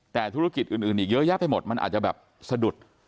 แต่ธุรกิจอื่นอีกเยอะแยะไปหมดมันอาจจะแบบสะดุด